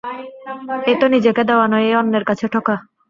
এ তো নিজেকে দেওয়া নয়, এ অন্যের কাছে ঠকা।